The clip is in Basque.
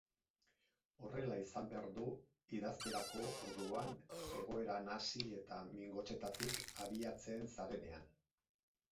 Horrela izan behar du idazterako orduan egoera nahasti eta mingotsetatik abiatzen zarenean.